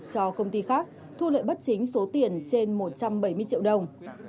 cho công ty khác thu lợi bất chính số tiền trên một trăm bảy mươi triệu đồng